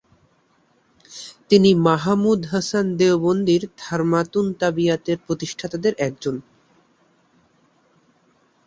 তিনি মাহমুদ হাসান দেওবন্দির থামরাতুত-তারবিয়াতের প্রতিষ্ঠাতা সদস্যদের একজন।